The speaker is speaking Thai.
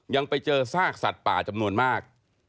ยังไปเจอซากสัตว์ป่าจำนวนมาก